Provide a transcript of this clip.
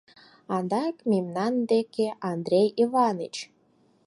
— Адак мемнан деке, Андрей Иваныч?